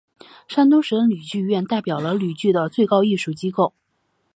山东省吕剧院代表了吕剧的最高艺术机构。